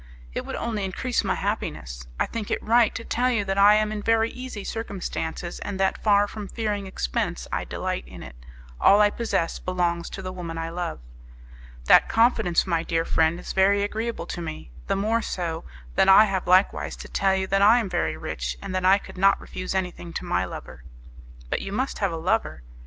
"It would only increase my happiness. I think it right to tell you that I am in very easy circumstances, and that, far from fearing expense, I delight in it: all I possess belongs to the woman I love." "That confidence, my dear friend, is very agreeable to me, the more so that I have likewise to tell you that I am very rich, and that I could not refuse anything to my lover." "But you must have a lover?"